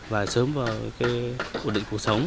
và sớm vào cái